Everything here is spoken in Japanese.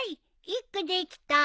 一句できた。